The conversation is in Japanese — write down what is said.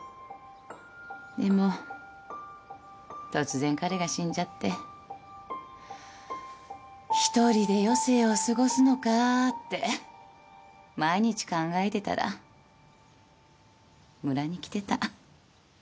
でも突然彼が死んじゃって独りで余生を過ごすのかぁって毎日考えてたら村に来てた。